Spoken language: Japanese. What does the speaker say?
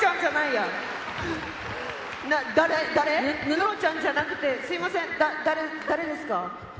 布ちゃんじゃなくてすみません誰ですか？